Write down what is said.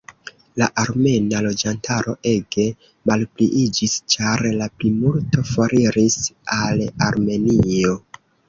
La armena loĝantaro ege malpliiĝis ĉar la plimulto foriris al Armenio.